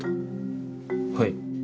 はい。